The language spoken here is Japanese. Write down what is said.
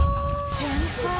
「先輩！」